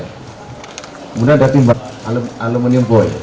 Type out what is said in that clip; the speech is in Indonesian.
kemudian ada timba aluminium boy